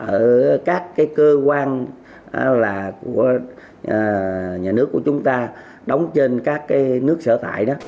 ở các cái cơ quan nhà nước của chúng ta đóng trên các cái nước sở tại đó